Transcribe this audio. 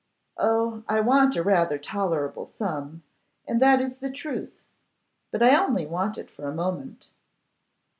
'Oh! I want rather a tolerable sum, and that is the truth; but I only want it for a moment.